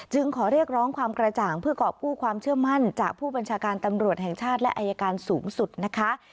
ขอเรียกร้องความกระจ่างเพื่อกรอบกู้ความเชื่อมั่นจากผู้บัญชาการตำรวจแห่งชาติและอายการสูงสุดนะคะ